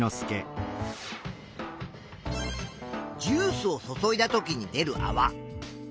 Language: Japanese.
ジュースを注いだときに出るあわ。